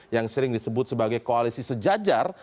yang sering disebut sebagai koalisi sejajar